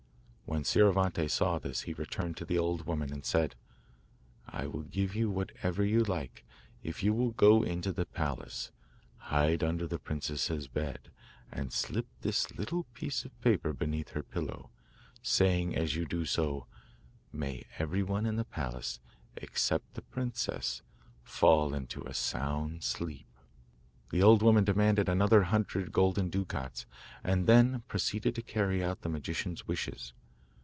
When Scioravante saw this he returned to the old woman, and said: 'I will give you whatever you like if you will go into the palace, hide under the princess's bed, and slip this little piece of paper beneath her pillow, saying, as you do so: "May everyone in the palace, except the princess, fall into a sound sleep."' The old woman demanded another hundred golden ducats, and then proceeded to carry out the magician's wishes.